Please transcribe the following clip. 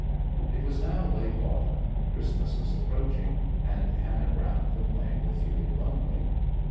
It was now late autumn, Christmas was approaching, and Hannah Browne complained of feeling lonely.